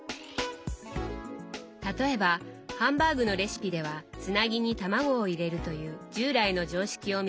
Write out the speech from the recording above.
例えばハンバーグのレシピではつなぎに卵を入れるという従来の常識を見直す